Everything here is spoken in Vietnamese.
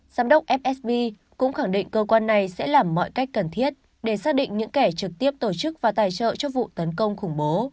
giám đốc fsb cũng khẳng định cơ quan này sẽ làm mọi cách cần thiết để xác định những kẻ trực tiếp tổ chức và tài trợ cho vụ tấn công khủng bố